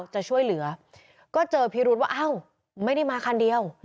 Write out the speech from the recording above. จะช่วยเหลือก็เจอพิรุษว่าอ้าวไม่ได้มาคันเดียว